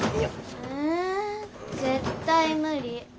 え絶対無理。